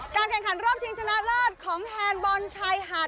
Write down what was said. แข่งขันรอบชิงชนะเลิศของแฮนด์บอลชายหาด